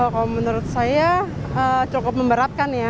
kalau menurut saya cukup memberatkan ya